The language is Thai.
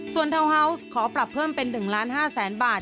ส่วนเท้าเฮ้าส์ขอปรับเพิ่มเป็น๑๕ล้านบาท